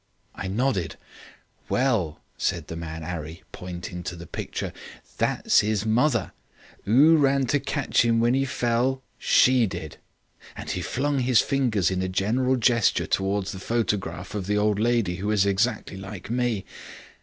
"I nodded. "'Well,' said the man 'Arry, pointing to the picture, 'that's 'is mother. 'Oo ran to catch 'im when 'e fell? She did,' and he flung his fingers in a general gesture towards the photograph of the old lady who was exactly like me.